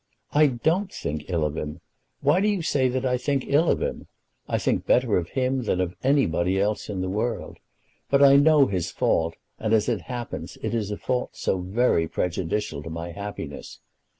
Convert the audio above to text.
"I don't think ill of him. Why do you say that I think ill of him? I think better of him than of anybody else in the world; but I know his fault, and, as it happens, it is a fault so very prejudicial to my happiness.